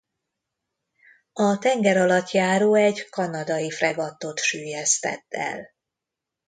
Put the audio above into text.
A tengeralattjáró egy kanadai fregattot süllyesztett el.